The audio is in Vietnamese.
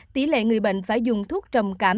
tỷ lệ người bệnh phải dùng thuốc trầm cảm